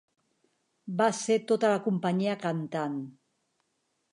Va ser tota la companyia cantant.